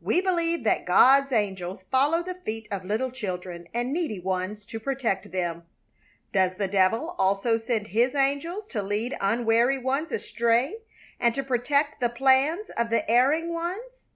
We believe that God's angels follow the feet of little children and needy ones to protect them; does the devil also send his angels to lead unwary ones astray, and to protect the plan's of the erring ones?